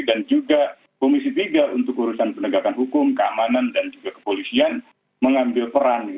dan juga komisi tiga untuk urusan penegakan hukum keamanan dan juga kepolisian mengambil peran